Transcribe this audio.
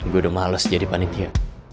gue udah males jadi panitia